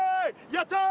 やったー！